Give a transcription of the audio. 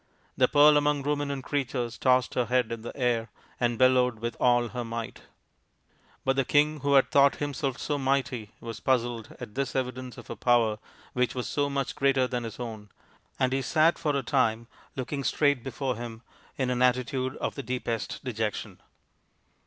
The Pearl among Ruminant Creatures tossed her head in the air and bellowed with all her might. 210 THE INDIAN STORY BOOK But the king who had thought himself so mighty was puzzled at this evidence of a power which was so much greater than his own, and he sat for a time, looking straight before him, in an attitude of the deepest dejection.